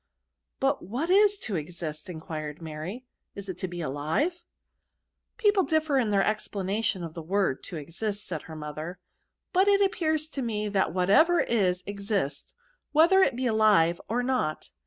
But what is to exist J" enquired Mary; " is it to be aHve ?"" People differ in their explanation of the word to exist," said her mother :" but it 2i^ears to me that whatever is exists, whether it be alive or not.